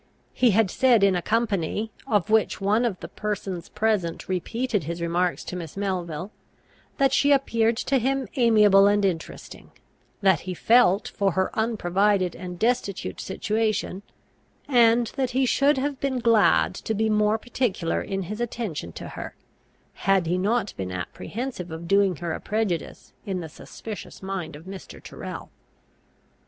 He had said in a company, of which one of the persons present repeated his remarks to Miss Melville, that she appeared to him amiable and interesting; that he felt for her unprovided and destitute situation; and that he should have been glad to be more particular in his attention to her, had he not been apprehensive of doing her a prejudice in the suspicious mind of Mr. Tyrrel.